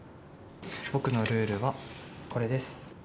僕のルールはこれです。